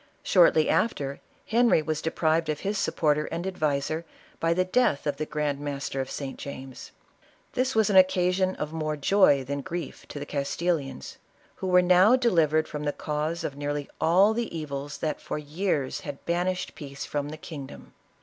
Shortly after, Henry was deprived of his supporter and adviser, by the death of the grand master of St. James; this was an occasion of more joy than grief to the Castilians, who were now delivered from the cause of nearly all the evils that for years had banished peace from the kingdom.